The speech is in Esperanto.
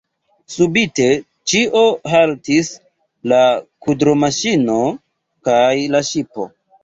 Subite ĉio haltis: la kudromaŝino kaj la ŝipo.